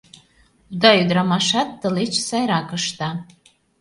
Уда ӱдырамашат тылеч сайрак ышта...